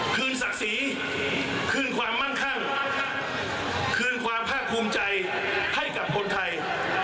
คืนศักดิ์ศรีคืนความมั่งคั่งคืนความภาคภูมิใจให้กับคนไทย